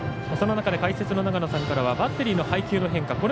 その中で解説の長野さんからはバッテリーの配球の変化。